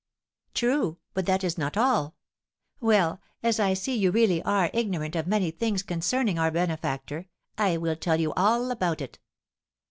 "True, but that is not all. Well, as I see you really are ignorant of many things concerning our benefactor, I will tell you all about it."